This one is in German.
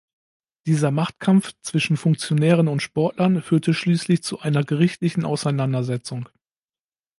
Dieser Machtkampf zwischen Funktionären und Sportlern führte schließlich zu einer gerichtlichen Auseinandersetzung.